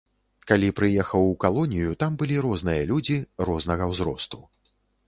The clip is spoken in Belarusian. Калі прыехаў у калонію, там былі розныя людзі, рознага ўзросту.